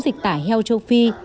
thịt tải heo châu phi